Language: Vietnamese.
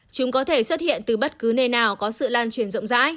chúng có thể xuất hiện từ bất cứ nơi nào có sự lan truyền